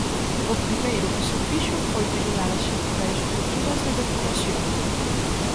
O primeiro que se fixo foi mellorar as infraestruturas de depuración.